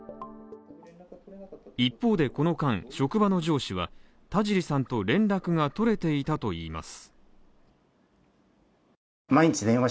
一方で、この間、職場の上司は田尻さんと連絡が取れていたといいます。